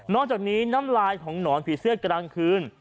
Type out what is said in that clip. นอกจากนี้น้ำลายของหนอนฟีเซือร์กลางคืน